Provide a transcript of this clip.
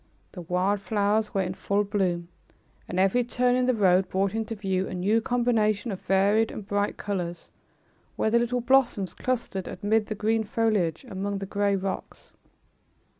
The wild flowers were in full bloom, and every turn in the road brought into view a new combination of varied and bright colors, where the little blossoms clustered amid the green foliage, among the gray rocks.